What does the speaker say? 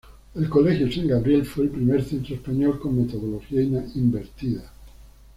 El colegio San Gabriel, fue el primer centro español con metodología invertida.